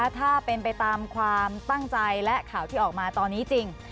ถ้าเป็นไปตามความตั้งใจและข่าวที่ออกมาตอนนี้จริง